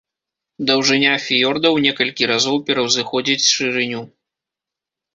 Даўжыня фіёрда ў некалькі разоў пераўзыходзіць шырыню.